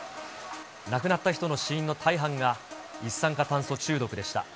亡くなった人の死因の大半が一酸化炭素中毒でした。